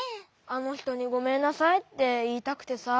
あのひとにごめんなさいっていいたくてさ。